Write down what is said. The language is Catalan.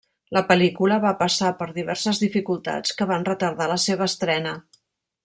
La pel·lícula va passar per diverses dificultats que van retardar la seva estrena.